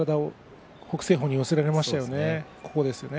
北青鵬に体を寄せられましたね。